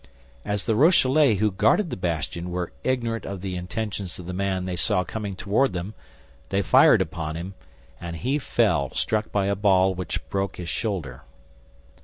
As the Rochellais who guarded the bastion were ignorant of the intentions of the man they saw coming toward them, they fired upon him, and he fell, struck by a ball which broke his shoulder.